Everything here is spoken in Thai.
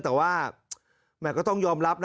แต่ว่าก็ต้องยอมรับนะ